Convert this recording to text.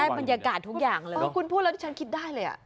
บรรยากาศทุกอย่างเลยคุณพูดแล้วที่ฉันคิดได้เลยอ่ะ